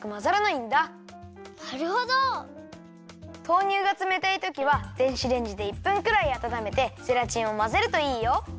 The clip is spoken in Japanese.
豆乳がつめたいときは電子レンジで１分くらいあたためてゼラチンをまぜるといいよ。